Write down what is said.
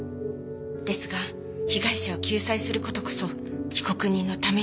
ですが被害者を救済する事こそ被告人のためになる。